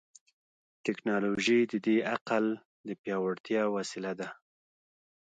ټیکنالوژي د دې عقل د پیاوړتیا وسیله ده.